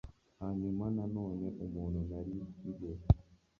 hanyuma na none. umuntu, nari njye